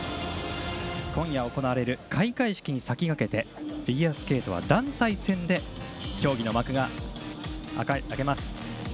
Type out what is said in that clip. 今夜行われる開会式に先駆けてフィギュアスケートは団体戦で競技の幕が開けます。